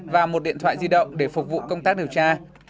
và một điện thoại di động để phục vụ công tác điều tra